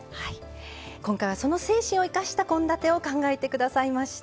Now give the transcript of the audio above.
今回はその精神を生かした献立を考えて下さいました。